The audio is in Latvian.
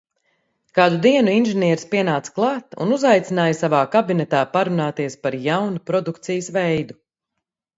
Kādu dienu inženieris pienāca klāt un uzaicināja savā kabinetā parunāties par jaunu produkcijas veidu.